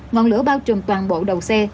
ngọn lửa bao trùm toàn bộ đầu xe